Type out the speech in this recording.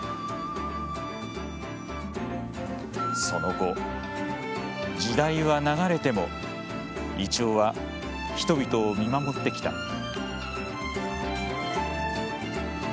その後、時代は流れてもイチョウは人々を見守ってきた。